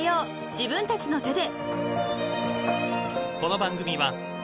自分たちの手で］